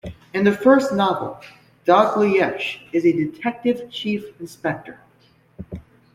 In the first novel, Dalgliesh is a Detective Chief Inspector.